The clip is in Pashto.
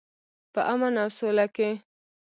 په امن او سوله کې.